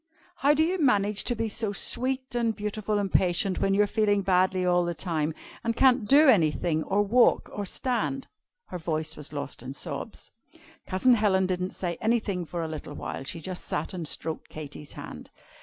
"How do you manage to be so sweet and beautiful and patient, when you're feeling badly all the time, and can't do anything, or walk, or stand?" her voice was lost in sobs. Cousin Helen didn't say anything for a little while. She just sat and stroked Katy's hand.